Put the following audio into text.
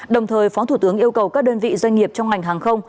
đồng thời phó thủ tướng yêu cầu các đơn vị doanh nghiệp trong ngành hàng không